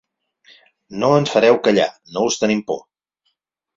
No ens fareu callar, no us tenim por.